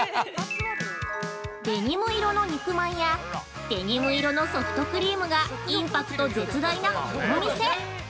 ◆デニム色の肉まんやデニム色のソフトクリームがインパクト絶大なこのお店。